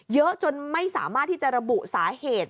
เยอะจนไม่สามารถที่จะระบุสาเหตุ